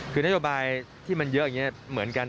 คือนโยบายที่มันเยอะอย่างนี้เหมือนกัน